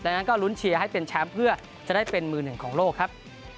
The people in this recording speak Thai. ดังนั้นก็ลุ้นเชียร์ให้เป็นแชมป์เพื่อจะได้เป็นมือหนึ่งของโลกครับ